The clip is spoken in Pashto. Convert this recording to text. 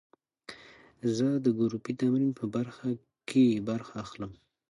زه د ګروپي تمرین په برخه کې برخه اخلم.